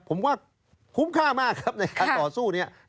ผมว่าคุ้มค่ามากครับในการต่อสู้เนี่ย